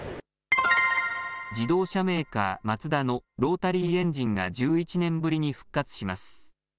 自動車メーカー、マツダのロータリーエンジンが１１年ぶりに復活します。